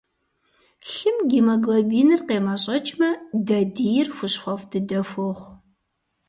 Лъым гемоглобиныр къемэщӏэкӏмэ, дадийр хущхъуэфӏ дыдэ хуохъу.